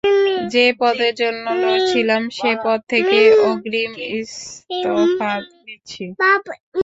যে পদের জন্য লড়ছিলাম, সে পদ থেকে অগ্রিম ইস্তফা দিচ্ছি।